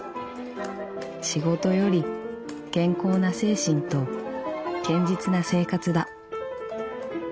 仕事より健康な精神と堅実な生活だ」。